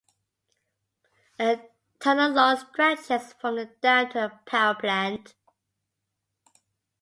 A tunnel long stretches from the dam to the power plant.